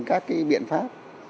các cái biện pháp